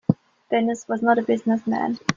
Dennis was not a business man.